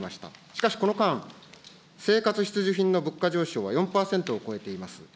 しかしこの間、生活必需品の物価上昇は４％を超えています。